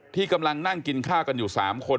ที่กำลังนั่งกินข้าวกันอยู่๓คน